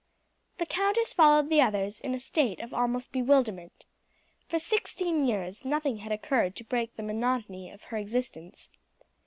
The countess followed the others in a state of almost bewilderment. For sixteen years nothing had occurred to break the monotony of her existence.